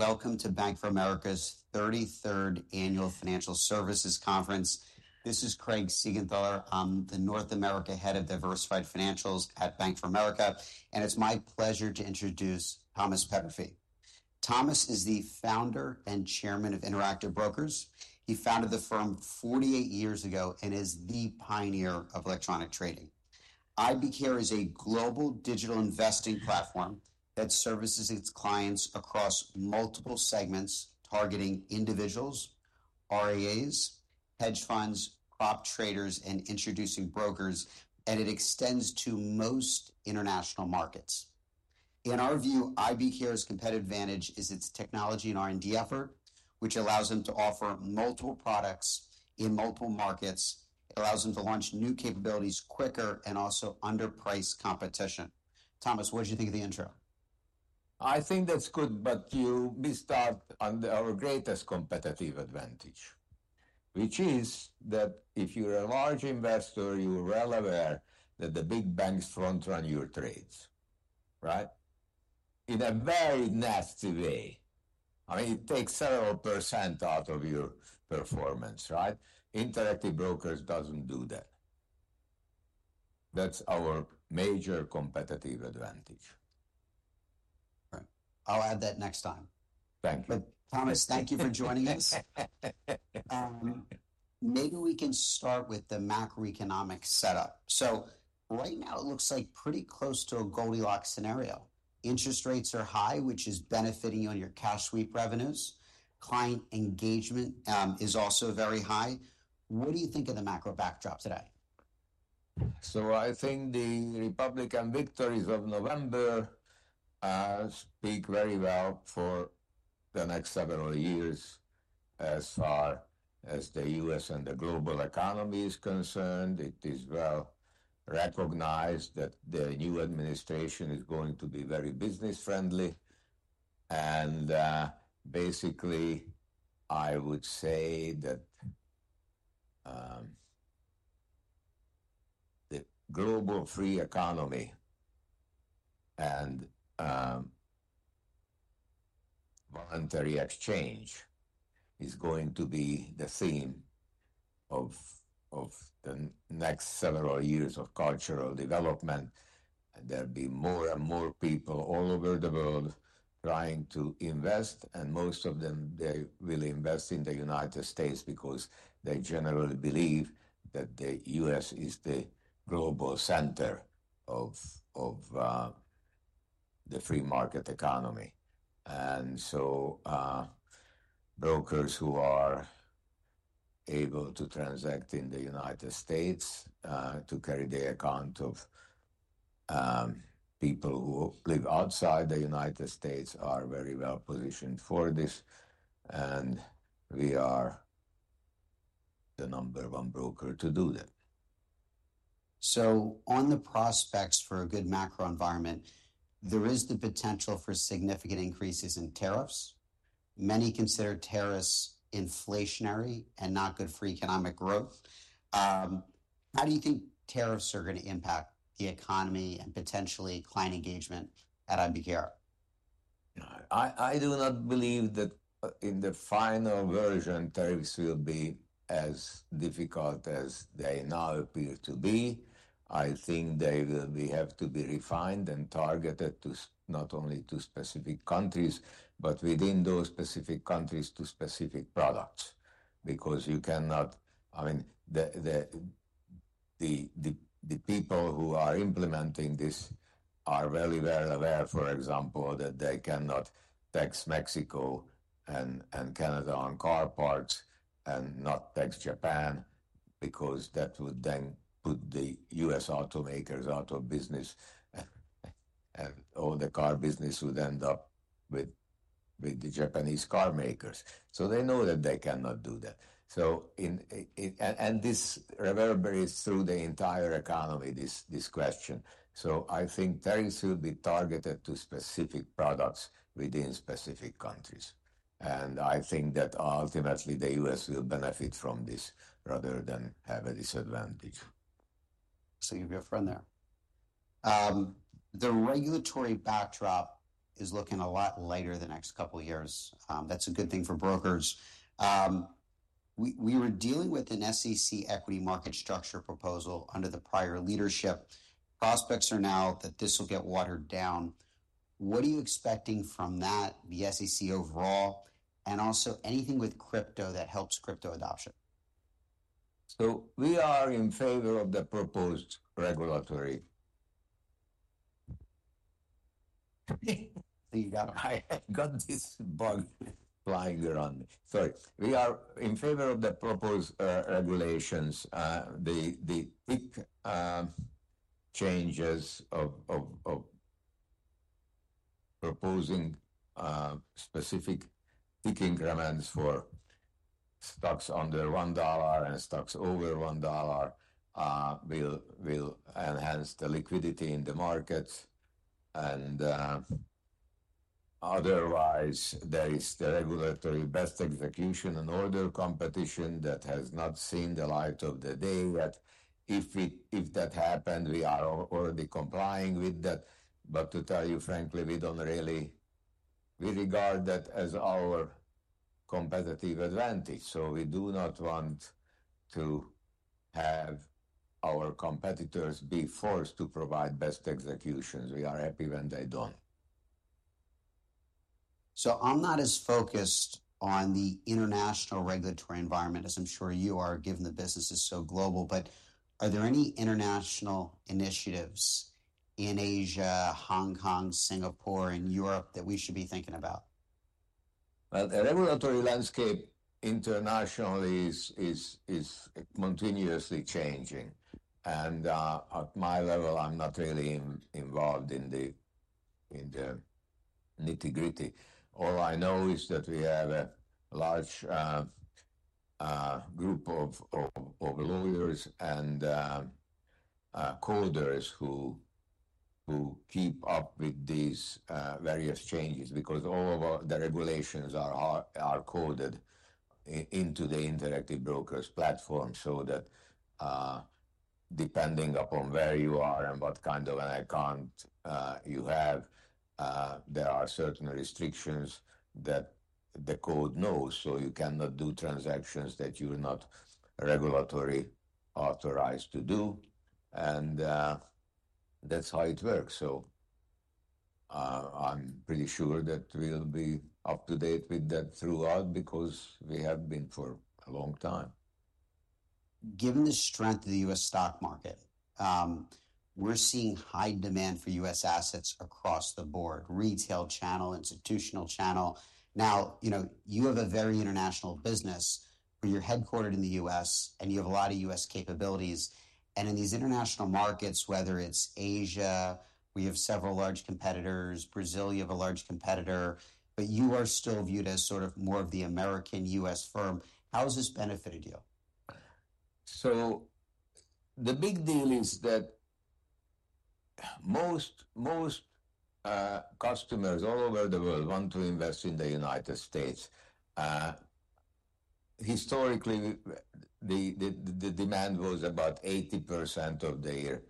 Welcome to Bank of America's 33rd annual financial services conference. This is Craig Siegenthaler. I'm the North America Head of Diversified Financials Research at Bank of America, and it's my pleasure to introduce Thomas Peterffy. Thomas is the founder and chairman of Interactive Brokers. He founded the firm 48 years ago and is the pioneer of electronic trading. IBKR is a global digital investing platform that services its clients across multiple segments, targeting individuals, RIAs, hedge funds, prop traders, and introducing brokers, and it extends to most international markets. In our view, IBKR's competitive advantage is its technology and R&D effort, which allows them to offer multiple products in multiple markets, allows them to launch new capabilities quicker, and also underprice competition. Thomas, what did you think of the intro? I think that's good, but you missed out on our greatest competitive advantage, which is that if you're a large investor, you're well aware that the big banks front-run your trades, right? In a very nasty way. I mean, it takes several percent out of your performance, right? Interactive Brokers doesn't do that. That's our major competitive advantage. I'll add that next time. Thank you. But Thomas, thank you for joining us. Maybe we can start with the macroeconomic setup. So right now, it looks like pretty close to a Goldilocks scenario. Interest rates are high, which is benefiting you on your cash sweep revenues. Client engagement is also very high. What do you think of the macro backdrop today? So I think the Republican victories of November speak very well for the next several years. As far as the U.S. and the global economy is concerned, it is well recognized that the new administration is going to be very business-friendly. And basically, I would say that the global free economy and voluntary exchange is going to be the theme of the next several years of cultural development. There'll be more and more people all over the world trying to invest, and most of them, they will invest in the United States because they generally believe that the U.S. is the global center of the free market economy. And so brokers who are able to transact in the United States, to carry the account of people who live outside the United States, are very well positioned for this. And we are the number one broker to do that. On the prospects for a good macro environment, there is the potential for significant increases in tariffs. Many consider tariffs inflationary and not good for economic growth. How do you think tariffs are going to impact the economy and potentially client engagement at IBKR? I do not believe that in the final version, tariffs will be as difficult as they now appear to be. I think they will have to be refined and targeted not only to specific countries, but within those specific countries to specific products, because you cannot, I mean, the people who are implementing this are very well aware, for example, that they cannot tax Mexico and Canada on car parts and not tax Japan, because that would then put the U.S. automakers out of business, and all the car business would end up with the Japanese car makers. So they know that they cannot do that. And this reverberates through the entire economy, this question. So I think tariffs will be targeted to specific products within specific countries. And I think that ultimately, the U.S. will benefit from this rather than have a disadvantage. So you have your friend there. The regulatory backdrop is looking a lot lighter the next couple of years. That's a good thing for brokers. We were dealing with an SEC equity market structure proposal under the prior leadership. Prospects are now that this will get watered down. What are you expecting from that, the SEC overall, and also anything with crypto that helps crypto adoption? We are in favor of the proposed regulatory. So you got this bug flying around me. Sorry. We are in favor of the proposed regulations. The tick changes of proposing specific tick increments for stocks under $1 and stocks over $1 will enhance the liquidity in the markets. And otherwise, there is the regulatory best execution and order competition that has not seen the light of the day yet. If that happened, we are already complying with that. But to tell you frankly, we don't really, we regard that as our competitive advantage. So we do not want to have our competitors be forced to provide best executions. We are happy when they don't. So I'm not as focused on the international regulatory environment, as I'm sure you are, given the business is so global. But are there any international initiatives in Asia, Hong Kong, Singapore, and Europe that we should be thinking about? The regulatory landscape internationally is continuously changing. At my level, I'm not really involved in the nitty-gritty. All I know is that we have a large group of lawyers and coders who keep up with these various changes because all of the regulations are coded into the Interactive Brokers platform so that depending upon where you are and what kind of an account you have, there are certain restrictions that the code knows. You cannot do transactions that you're not regulatory authorized to do. That's how it works. I'm pretty sure that we'll be up to date with that throughout because we have been for a long time. Given the strength of the U.S. stock market, we're seeing high demand for U.S. assets across the board: retail channel, institutional channel. Now, you have a very international business. You're headquartered in the U.S., and you have a lot of U.S. capabilities. And in these international markets, whether it's Asia, we have several large competitors. Brazil, you have a large competitor, but you are still viewed as sort of more of the American U.S. firm. How has this benefited you? The big deal is that most customers all over the world want to invest in the United States. Historically, the demand was about 80% of their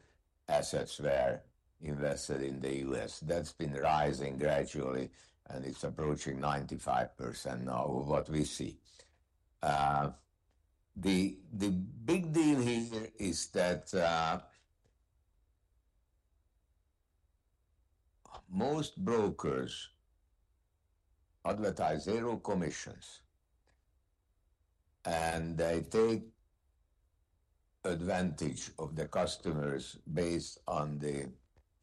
assets were invested in the U.S. That's been rising gradually, and it's approaching 95% now, what we see. The big deal here is that most brokers advertise zero commissions, and they take advantage of the customers based on the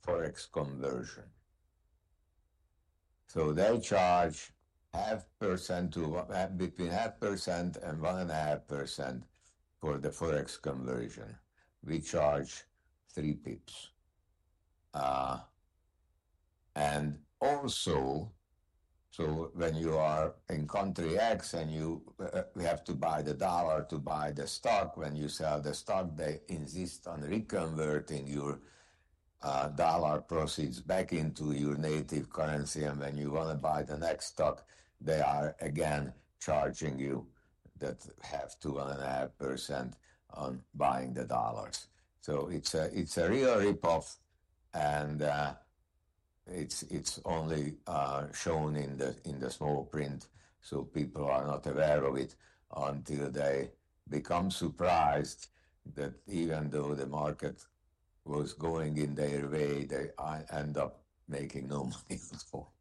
Forex conversion. So they charge 0.5% to between 0.5% and 1.5% for the Forex conversion. We charge three pips. And also, so when you are in country X and you have to buy the dollar to buy the stock, when you sell the stock, they insist on reconverting your dollar proceeds back into your native currency. When you want to buy the next stock, they are again charging you a fee of 1.5% on buying the dollars. It's a real rip-off, and it's only shown in the small print. People are not aware of it until they become surprised that even though the market was going in their way, they end up making no money at all.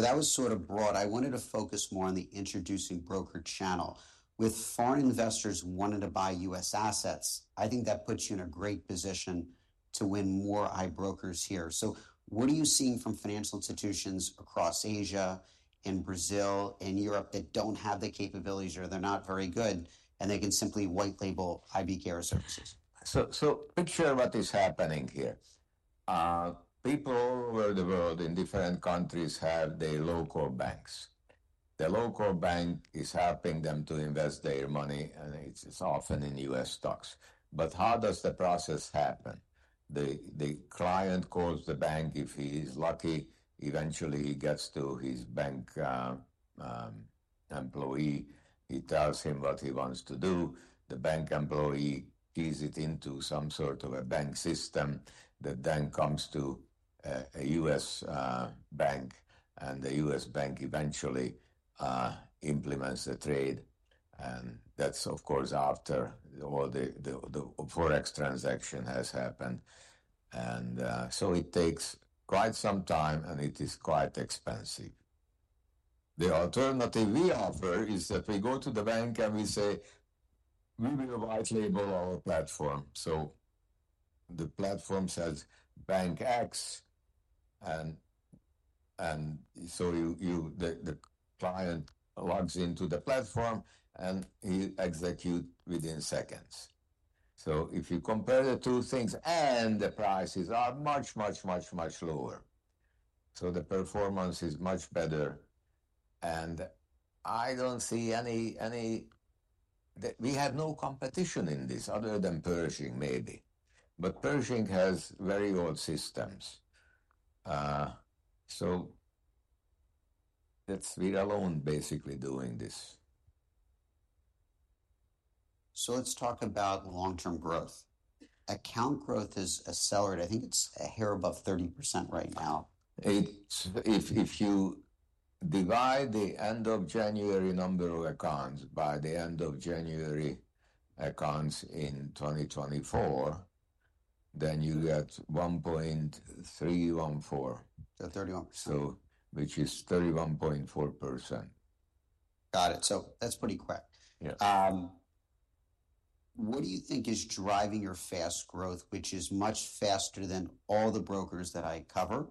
That was sort of broad. I wanted to focus more on the introducing broker channel. With foreign investors wanting to buy U.S. assets, I think that puts you in a great position to win more IBs here. So what are you seeing from financial institutions across Asia and Brazil and Europe that don't have the capabilities or they're not very good, and they can simply white-label IBKR services? So picture what is happening here. People all over the world in different countries have their local banks. The local bank is helping them to invest their money, and it's often in U.S. stocks. But how does the process happen? The client calls the bank. If he is lucky, eventually he gets to his bank employee. He tells him what he wants to do. The bank employee keys it into some sort of a bank system that then comes to a U.S. bank, and the U.S. bank eventually implements the trade. And that's, of course, after all the Forex transaction has happened. And so it takes quite some time, and it is quite expensive. The alternative we offer is that we go to the bank and we say, "We will white label our platform." So the platform says Bank X. And so the client logs into the platform, and he executes within seconds. So if you compare the two things, the prices are much, much, much, much lower. So the performance is much better. And I don't see any. We have no competition in this other than Pershing, maybe. But Pershing has very old systems. So that's where we're alone basically doing this. So let's talk about long-term growth. Account growth has accelerated. I think it's a hair above 30% right now. If you divide the end of January number of accounts by the end of January accounts in 2024, then you get 1.314. So 31%. So which is 31.4%. Got it. So that's pretty quick. What do you think is driving your fast growth, which is much faster than all the brokers that I cover?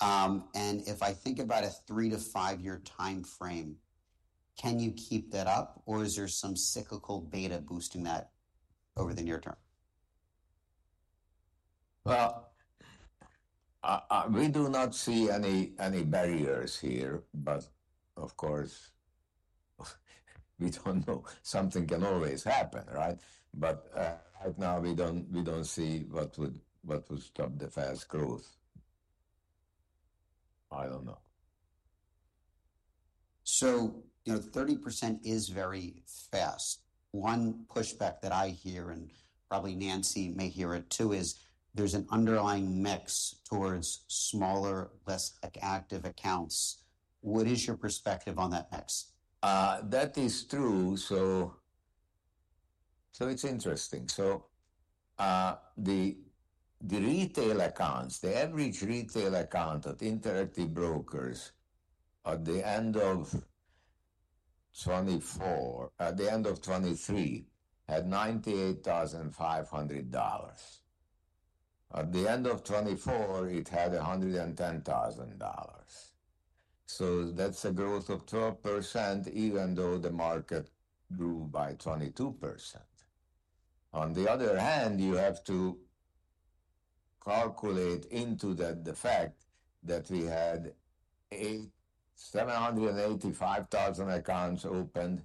And if I think about a three- to five-year time frame, can you keep that up, or is there some cyclical beta boosting that over the near term? We do not see any barriers here, but of course, we don't know. Something can always happen, right? But right now, we don't see what will stop the fast growth. I don't know. So 30% is very fast. One pushback that I hear, and probably Nancy may hear it too, is there's an underlying mix towards smaller, less active accounts. What is your perspective on that mix? That is true. So it's interesting. So the retail accounts, the average retail account at Interactive Brokers at the end of 2024, at the end of 2023, had $98,500. At the end of 2024, it had $110,000. So that's a growth of 12%, even though the market grew by 22%. On the other hand, you have to calculate into that the fact that we had 785,000 accounts opened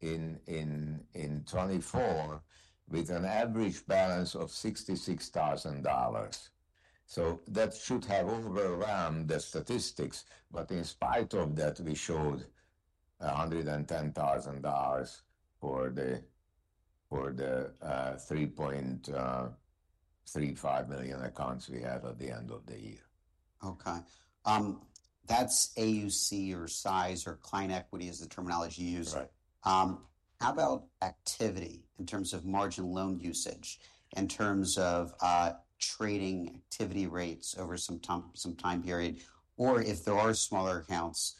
in 2024 with an average balance of $66,000. So that should have overwhelmed the statistics. But in spite of that, we showed $110,000 for the 3.35 million accounts we had at the end of the year. Okay. That's AUC or size or client equity is the terminology you use. How about activity in terms of margin loan usage, in terms of trading activity rates over some time period, or if there are smaller accounts,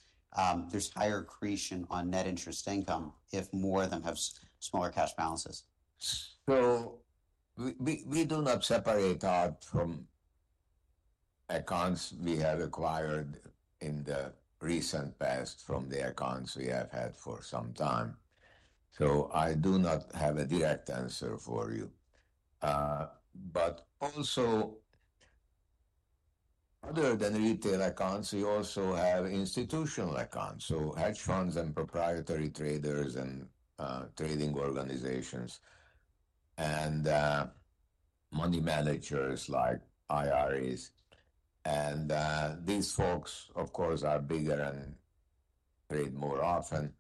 there's higher accretion on net interest income if more of them have smaller cash balances? So we do not separate out accounts we have acquired in the recent past from the accounts we have had for some time. So I do not have a direct answer for you. But also, other than retail accounts, we also have institutional accounts, so hedge funds, and proprietary traders, and trading organizations and money managers like RIAs. And these folks, of course, are bigger and trade more often.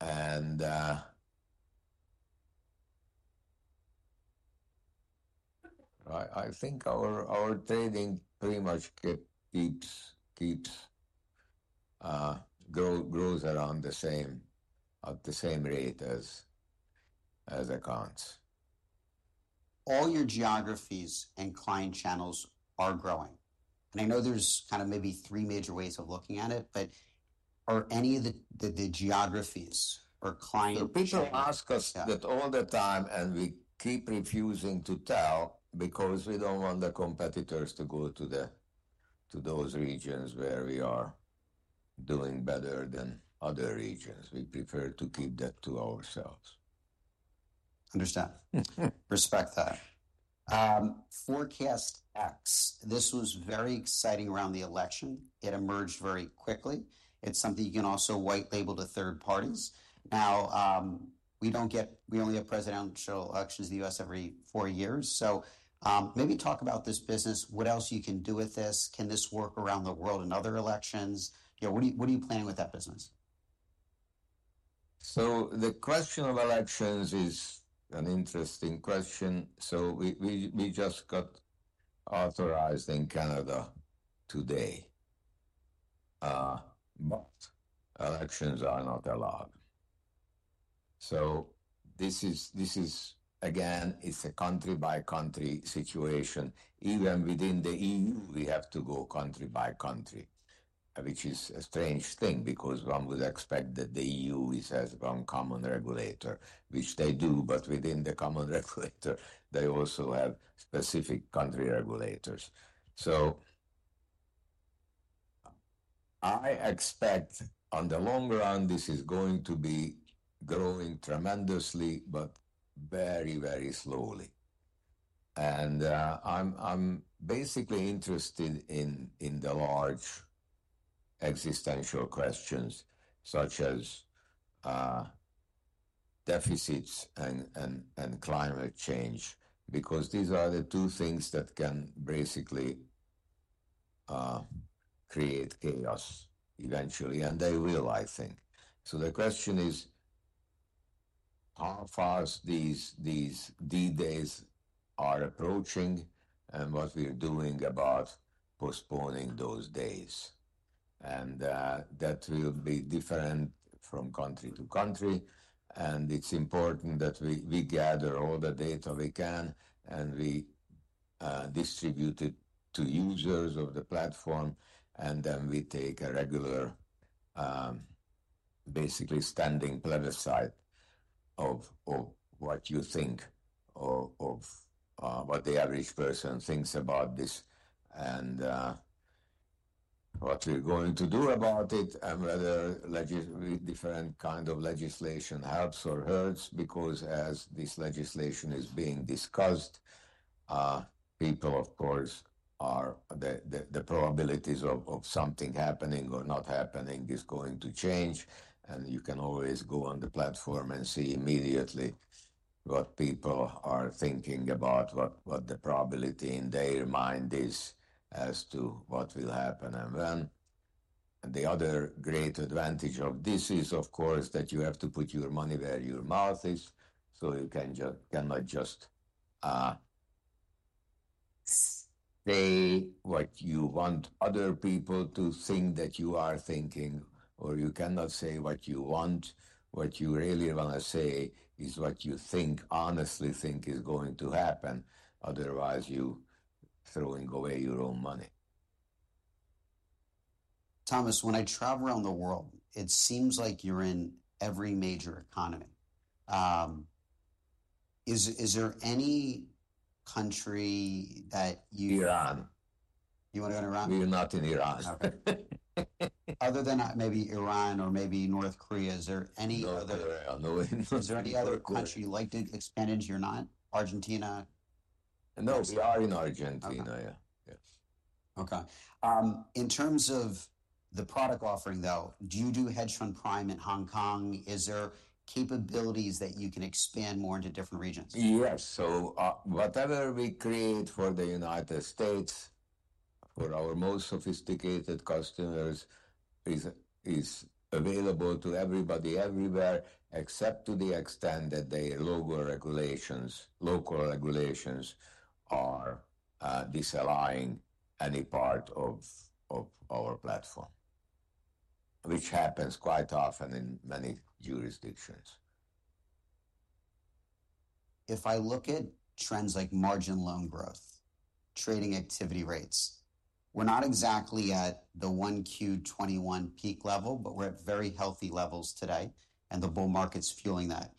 And I think our trading pretty much grows at the same rate as accounts. All your geographies and client channels are growing. And I know there's kind of maybe three major ways of looking at it, but are any of the geographies or client channels? So people ask us that all the time, and we keep refusing to tell because we don't want the competitors to go to those regions where we are doing better than other regions. We prefer to keep that to ourselves. Understood. Respect that. ForecastEx, this was very exciting around the election. It emerged very quickly. It's something you can also white label to third parties. Now, we don't get. We only have presidential elections in the U.S. every four years. So maybe talk about this business. What else you can do with this? Can this work around the world in other elections? What are you planning with that business? So the question of elections is an interesting question. So we just got authorized in Canada today, but elections are not allowed. So this is, again, it's a country-by-country situation. Even within the E.U., we have to go country-by-country, which is a strange thing because one would expect that the E.U. has one common regulator, which they do, but within the common regulator, they also have specific country regulators. So I expect on the long run, this is going to be growing tremendously, but very, very slowly. And I'm basically interested in the large existential questions such as deficits and climate change because these are the two things that can basically create chaos eventually, and they will, I think. So the question is how fast these D-days are approaching and what we're doing about postponing those days. And that will be different from country to country. It's important that we gather all the data we can, and we distribute it to users of the platform, and then we take a regular, basically standing plebiscite of what you think of what the average person thinks about this and what we're going to do about it and whether different kinds of legislation helps or hurts because as this legislation is being discussed, people, of course, are the probabilities of something happening or not happening is going to change. You can always go on the platform and see immediately what people are thinking about, what the probability in their mind is as to what will happen and when. The other great advantage of this is, of course, that you have to put your money where your mouth is, so you cannot just say what you want other people to think that you are thinking, or you cannot say what you want. What you really want to say is what you think, honestly think is going to happen. Otherwise, you're throwing away your own money. Thomas, when I travel around the world, it seems like you're in every major economy. Is there any country that you—Iran? You want to go to Iran? We're not in Iran. Other than maybe Iran or maybe North Korea, is there any other country you'd like to expand into your nine? Argentina? No, we are in Argentina. Yeah. Okay. In terms of the product offering, though, do you do hedge fund prime in Hong Kong? Is there capabilities that you can expand more into different regions? Yes. So whatever we create for the United States, for our most sophisticated customers, is available to everybody everywhere, except to the extent that the local regulations are disallowing any part of our platform, which happens quite often in many jurisdictions. If I look at trends like margin loan growth, trading activity rates, we're not exactly at the 1Q 21 peak level, but we're at very healthy levels today, and the bull market's fueling that.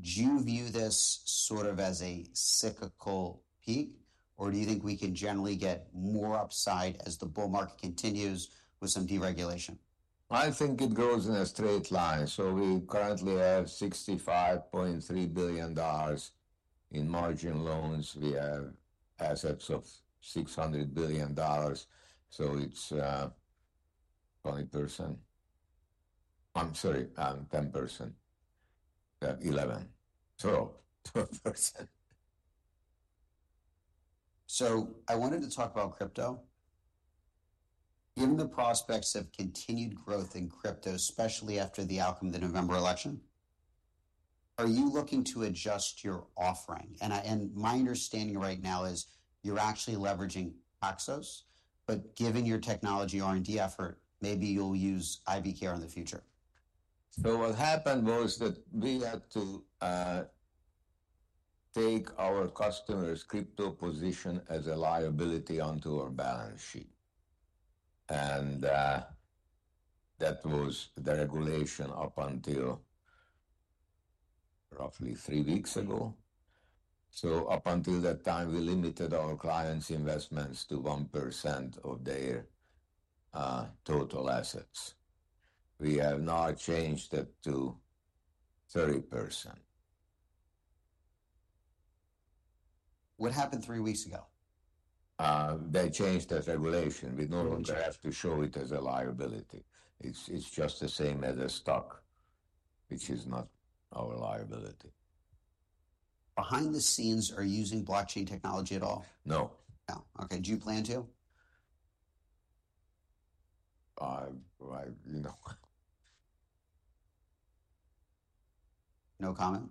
Do you view this sort of as a cyclical peak, or do you think we can generally get more upside as the bull market continues with some deregulation? I think it goes in a straight line. So we currently have $65.3 billion in margin loans. We have assets of $600 billion. So it's 20%. I'm sorry, 10%. 11%. 12%. So I wanted to talk about crypto. Given the prospects of continued growth in crypto, especially after the outcome of the November election, are you looking to adjust your offering? And my understanding right now is you're actually leveraging Paxos, but given your technology R&D effort, maybe you'll use IBKR in the future. So what happened was that we had to take our customers' crypto position as a liability onto our balance sheet. And that was the regulation up until roughly three weeks ago. So up until that time, we limited our clients' investments to 1% of their total assets. We have now changed that to 30%. What happened three weeks ago? They changed that regulation. We no longer have to show it as a liability. It's just the same as a stock, which is not our liability. Behind the scenes, are you using blockchain technology at all? No. No. Okay. Do you plan to? I know. No comment?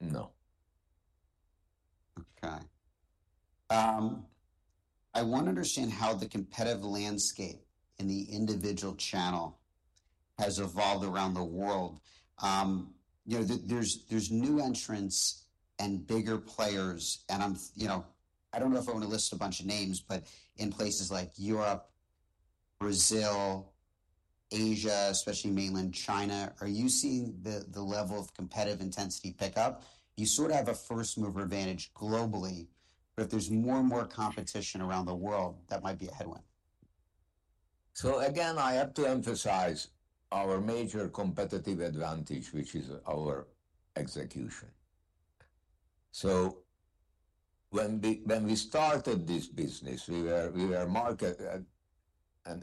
No. Okay. I want to understand how the competitive landscape in the individual channel has evolved around the world. There's new entrants and bigger players. And I don't know if I want to list a bunch of names, but in places like Europe, Brazil, Asia, especially Mainland China, are you seeing the level of competitive intensity pick up? You sort of have a first-mover advantage globally, but if there's more and more competition around the world, that might be a headwind. So again, I have to emphasize our major competitive advantage, which is our execution. So when we started this business, we were market,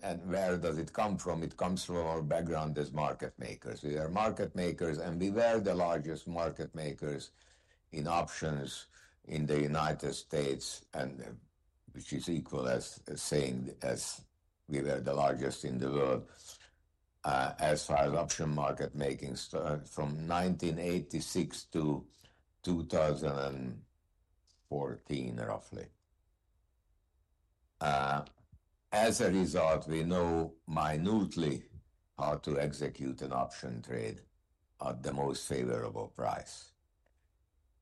and where does it come from? It comes from our background as market makers. We are market makers, and we were the largest market makers in options in the United States, which is equal as saying we were the largest in the world as far as option market making from 1986 to 2014, roughly. As a result, we know minutely how to execute an option trade at the most favorable price.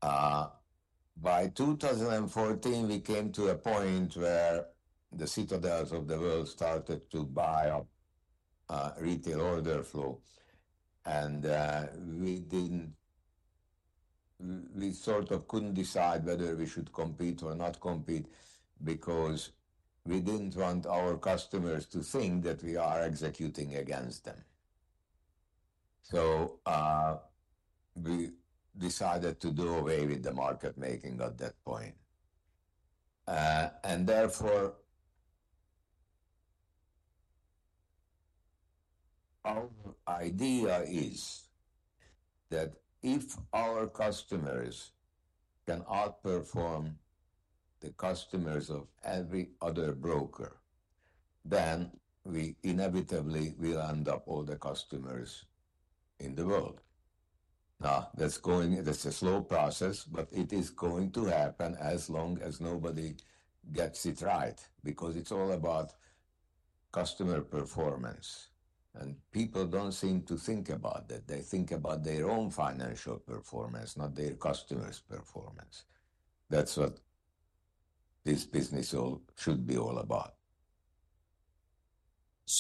By 2014, we came to a point where the Citadels of the world started to buy up retail order flow. And we sort of could not decide whether we should compete or not compete because we did not want our customers to think that we are executing against them. So we decided to do away with the market making at that point. And therefore, our idea is that if our customers can outperform the customers of every other broker, then we inevitably will end up all the customers in the world. Now, that's a slow process, but it is going to happen as long as nobody gets it right because it's all about customer performance. And people don't seem to think about that. They think about their own financial performance, not their customers' performance. That's what this business should be all about.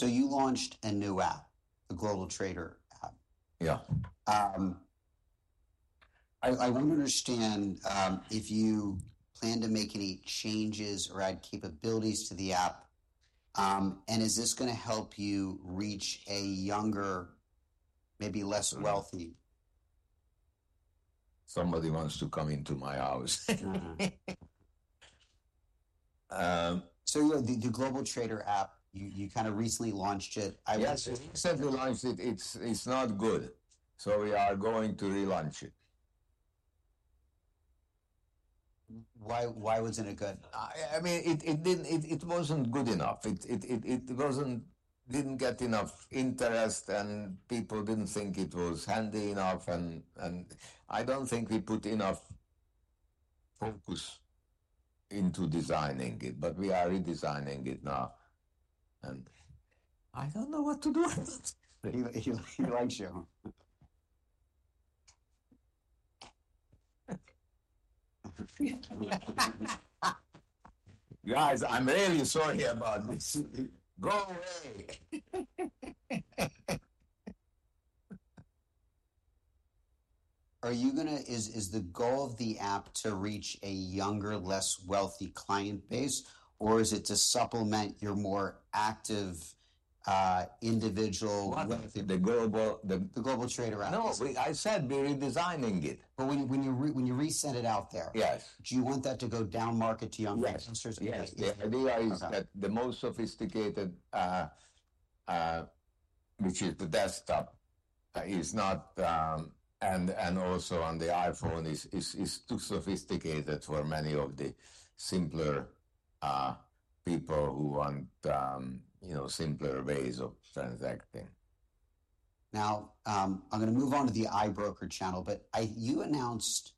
You launched a new app, a GlobalTrader app. Yeah. I want to understand if you plan to make any changes or add capabilities to the app, and is this going to help you reach a younger, maybe less wealthy? Somebody wants to come into my house. So the GlobalTrader app, you kind of recently launched it. Yes, we recently launched it. It's not good, so we are going to relaunch it. Why wasn't it good? I mean, it wasn't good enough. It didn't get enough interest, and people didn't think it was handy enough. And I don't think we put enough focus into designing it, but we are redesigning it now. I don't know what to do with it. You like show. Guys, I'm really sorry about this. Go away. Is the goal of the app to reach a younger, less wealthy client base, or is it to supplement your more active individual? The GlobalTrader app. No, I said we're redesigning it. But when you reset it out there, do you want that to go down market to younger customers? Yes. The idea is that the most sophisticated, which is the desktop, is not, and also on the iPhone, is too sophisticated for many of the simpler people who want simpler ways of transacting. Now, I'm going to move on to the IBKR channel, but you announced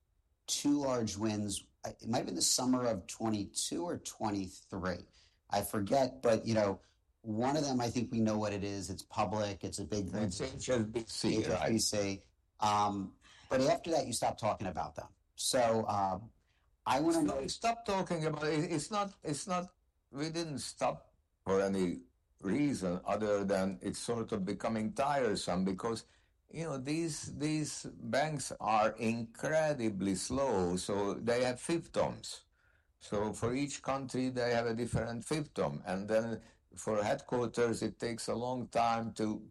two large wins. It might have been the summer of 2022 or 2023. I forget, but one of them, I think we know what it is. It's public. It's big. It's HSBC. HSBC. But after that, you stopped talking about them. So I want to know. No, we stopped talking about it. We didn't stop for any reason other than it's sort of becoming tiresome because these banks are incredibly slow. So they have fiefdoms. So for each country, they have a different fiefdom. And then for headquarters, it takes a long time to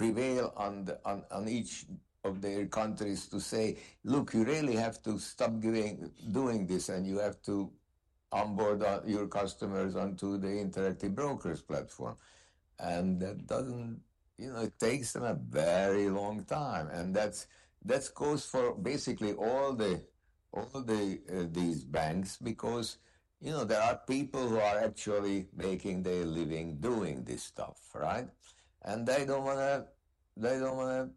prevail on each of their countries to say, "Look, you really have to stop doing this, and you have to onboard your customers onto the Interactive Brokers platform." And it takes them a very long time. And that's the cost for basically all these banks because there are people who are actually making their living doing this stuff, right? And they don't want to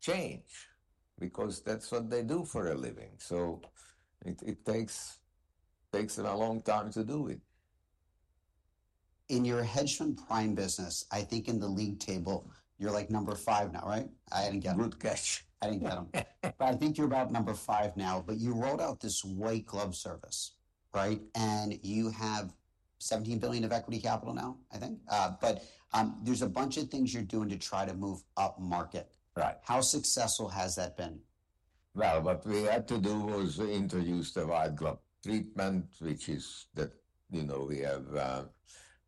change because that's what they do for a living. So it takes them a long time to do it. In your hedge fund prime business, I think in the league table, you're like number five now, right? I didn't get it. Good catch. I didn't get them. But I think you're about number five now. But you rolled out this white glove service, right? And you have $17 billion of equity capital now, I think. But there's a bunch of things you're doing to try to move up market. How successful has that been? What we had to do was introduce the white glove treatment, which is that we have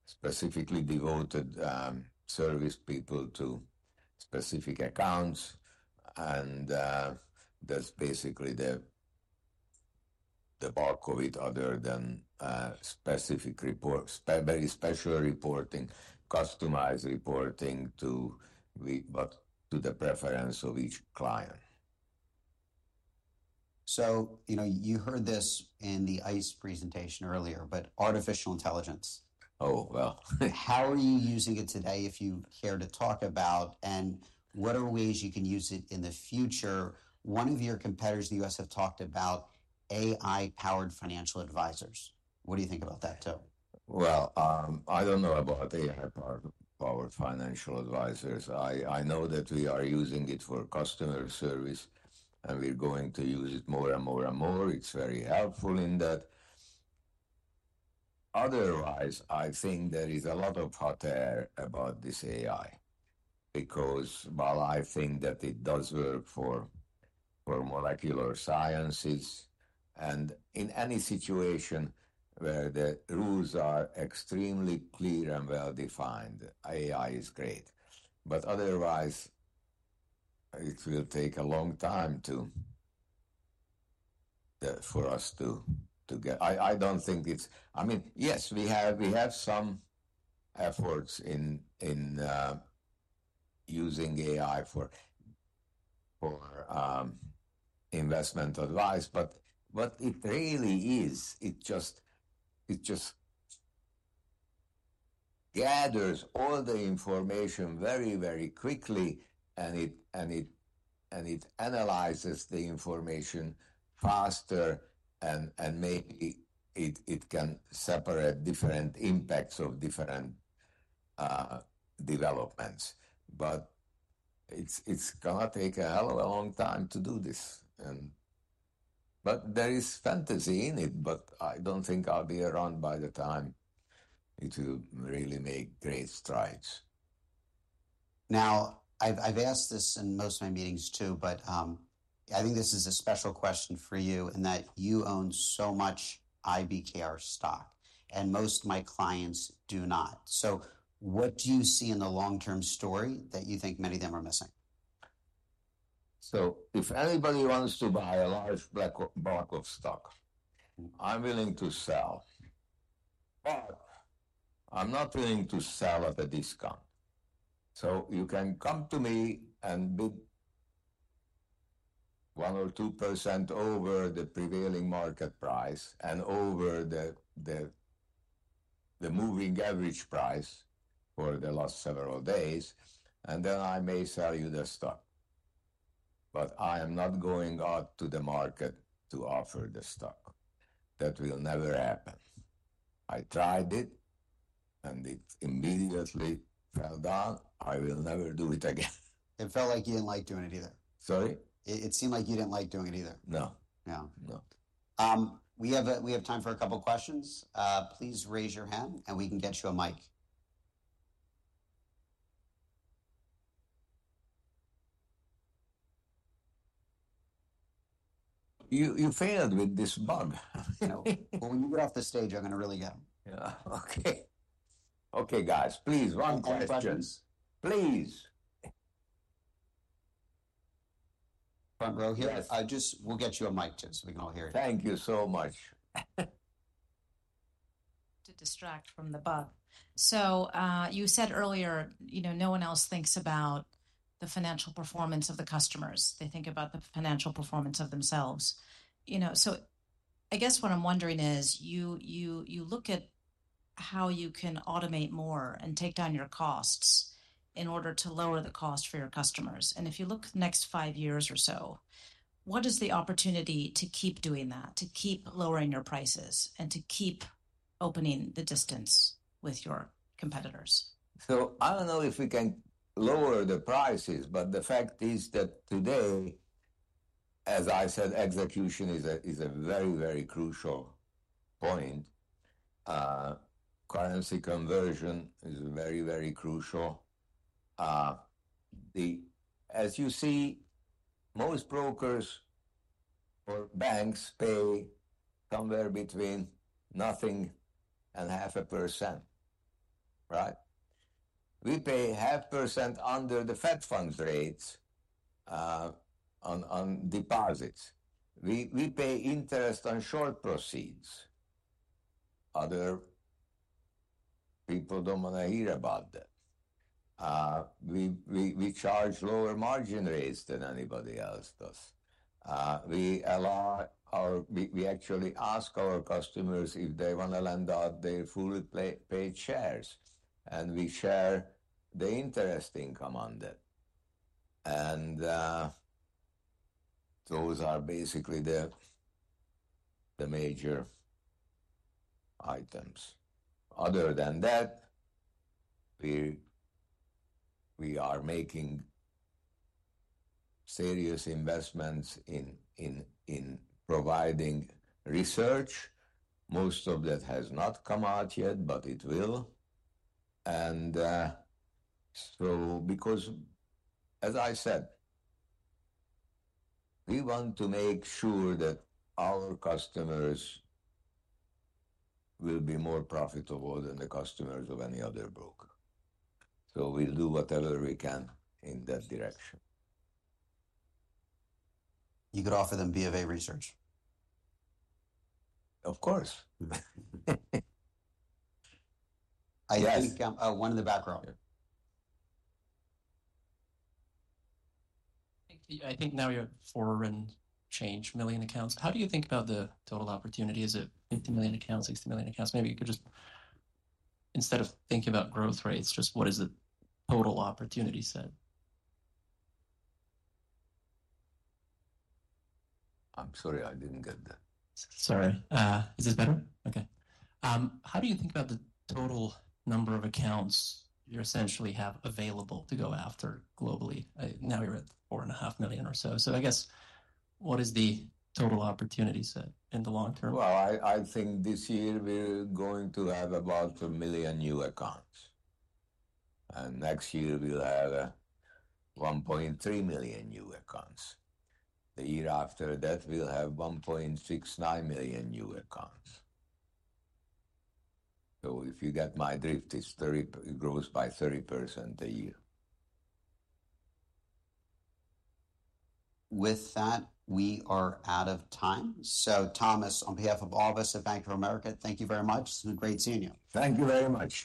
specifically devoted service people to specific accounts. That's basically the bulk of it other than specific reports, very special reporting, customized reporting to the preference of each client. So you heard this in the ICE presentation earlier, but artificial intelligence. Oh, well. How are you using it today if you care to talk about, and what are ways you can use it in the future? One of your competitors in the U.S. has talked about AI-powered financial advisors. What do you think about that, too? I don't know about AI-powered financial advisors. I know that we are using it for customer service, and we're going to use it more and more and more. It's very helpful in that. Otherwise, I think there is a lot of hot air about this AI because while I think that it does work for molecular sciences and in any situation where the rules are extremely clear and well-defined, AI is great. But otherwise, it will take a long time for us to get. I don't think it's, I mean, yes, we have some efforts in using AI for investment advice, but what it really is, it just gathers all the information very, very quickly, and it analyzes the information faster, and maybe it can separate different impacts of different developments. But it's going to take a hell of a long time to do this. But there is fantasy in it, but I don't think I'll be around by the time it will really make great strides. Now, I've asked this in most of my meetings, too, but I think this is a special question for you in that you own so much IBKR stock, and most of my clients do not. So what do you see in the long-term story that you think many of them are missing? If anybody wants to buy a large block of stock, I'm willing to sell, but I'm not willing to sell at a discount. You can come to me and bid 1% or 2% over the prevailing market price and over the moving average price for the last several days, and then I may sell you the stock. I am not going out to the market to offer the stock. That will never happen. I tried it, and it immediately fell down. I will never do it again. It felt like you didn't like doing it either. Sorry? It seemed like you didn't like doing it either. No. No. No. We have time for a couple of questions. Please raise your hand, and we can get you a mic. You failed with this bug. When you get off the stage, I'm going to really get them. Yeah. Okay. Okay, guys. Please, one question. Questions. Please. Front row here. We'll get you a mic, too, so we can all hear you. Thank you so much. To distract from the bug. So you said earlier no one else thinks about the financial performance of the customers. They think about the financial performance of themselves. So I guess what I'm wondering is you look at how you can automate more and take down your costs in order to lower the cost for your customers. And if you look next five years or so, what is the opportunity to keep doing that, to keep lowering your prices, and to keep opening the distance with your competitors? I don't know if we can lower the prices, but the fact is that today, as I said, execution is a very, very crucial point. Currency conversion is very, very crucial. As you see, most brokers or banks pay somewhere between nothing and 0.5%, right? We pay 0.5% under the Fed funds rates on deposits. We pay interest on short proceeds. Other people don't want to hear about that. We charge lower margin rates than anybody else does. We actually ask our customers if they want to lend out their fully paid shares, and we share the interest income on that. And those are basically the major items. Other than that, we are making serious investments in providing research. Most of that has not come out yet, but it will. Because, as I said, we want to make sure that our customers will be more profitable than the customers of any other broker. We'll do whatever we can in that direction. You could offer them B of A research. Of course. I think one in the back row. I think now you have four and change million accounts. How do you think about the total opportunity? Is it 50 million accounts, 60 million accounts? Maybe you could just, instead of thinking about growth rates, just what is the total opportunity set? I'm sorry, I didn't get that. How do you think about the total number of accounts you essentially have available to go after globally? Now you're at 4.5 million or so. So I guess what is the total opportunity set in the long term? I think this year we're going to have about a million new accounts. Next year, we'll have 1.3 million new accounts. The year after that, we'll have 1.69 million new accounts. If you get my drift, it grows by 30% a year. With that, we are out of time. So Thomas, on behalf of all of us at Bank of America, thank you very much. It's been great seeing you. Thank you very much.